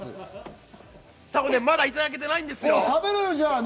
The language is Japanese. まだいただけてないんですよ。